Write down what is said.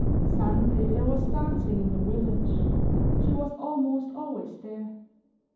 Sunday there was dancing in the village; she was almost always there.